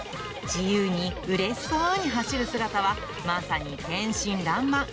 自由にうれしそうに走る姿は、まさに天真らんまん。